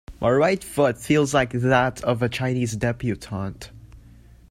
My right foot feels like that of a Chinese debutante.